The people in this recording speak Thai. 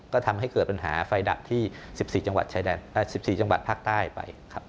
ก็ทำให้เกิดปัญหาไฟดับที่๑๔จังหวัดภาคใต้ไปครับ